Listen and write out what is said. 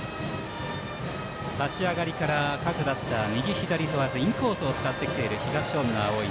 立ち上がりから各バッター右左問わずインコースを使ってきている東恩納蒼。